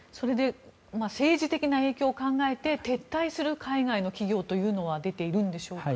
政治的な影響を考えて撤退する海外の企業というのは出ているんでしょうか。